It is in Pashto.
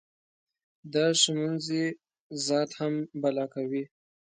دا ښځمونی ذات هم بلا کوي.